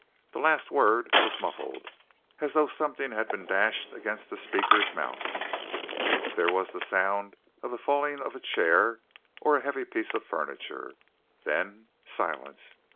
The last word was muffled, as though something had been dashed against the speaker's mouth. There was the sound of the falling of a chair or heavy piece of furniture. Then silence!